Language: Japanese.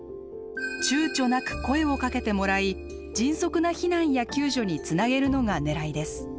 ちゅうちょなく声をかけてもらい迅速な避難や救助につなげるのが狙いです。